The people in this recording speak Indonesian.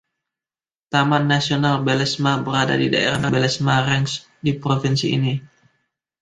Taman Nasional Belezma berada di daerah Belezma Range di provinsi ini.